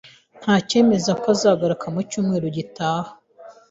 Nta cyemeza ko azagaruka mu cyumweru gitaha